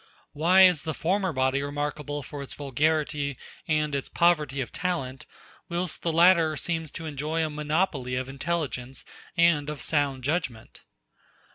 Why is the former body remarkable for its vulgarity and its poverty of talent, whilst the latter seems to enjoy a monopoly of intelligence and of sound judgment?